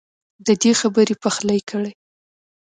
ددې خبر پخلی کړی